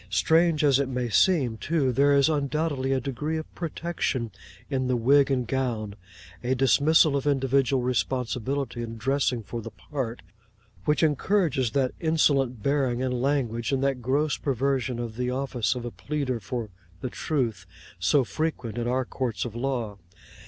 Strange as it may seem too, there is undoubtedly a degree of protection in the wig and gown—a dismissal of individual responsibility in dressing for the part—which encourages that insolent bearing and language, and that gross perversion of the office of a pleader for The Truth, so frequent in our courts of law.